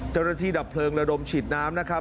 เจ้าหน้าที่ดับเพลิงและดมฉีดน้ำ